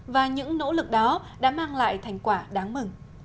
và những nỗ lực đó đã mang lại thành quả đáng mừng